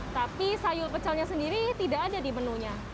tapi sayur pecelnya sendiri tidak ada di menunya